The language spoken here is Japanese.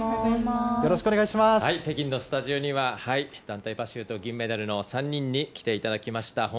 北京のスタジオには、団体パシュート銀メダルの３人に来ていただきました。